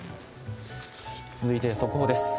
続いて速報です。